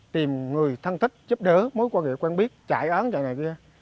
tìm người thân thích giúp đỡ mối quan hệ quen biết chạy án chạy này kia